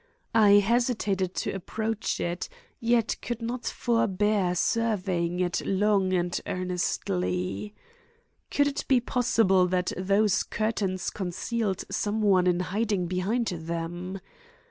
I hesitated to approach it, yet could not forbear surveying it long and earnestly. Could it be possible that those curtains concealed some one in hiding behind them?